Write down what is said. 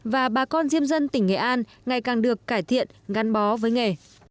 và bà con diêm dân tỉnh nghệ an ngày càng được cải thiện gắn bó với nghề